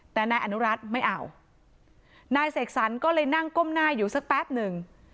แต่นายอนุรัติไม่เอานายเสกสรรก็เลยนั่งก้มหน้าอยู่สักแป๊บหนึ่ง